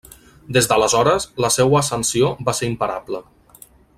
Des d'aleshores, la seua ascensió va ser imparable.